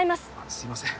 すいません